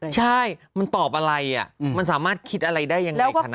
ใช่มันตอบอะไรมันสามารถคิดอะไรได้ยังไงขนาดนั้น